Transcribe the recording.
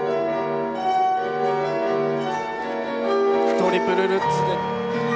トリプルルッツで。